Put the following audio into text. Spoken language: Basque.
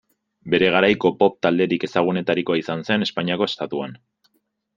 Bere garaiko pop-talderik ezagunetarikoa izan zen Espainiako estatuan.